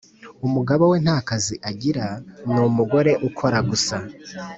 umugabo we ntakazi agira numugore ukora gusa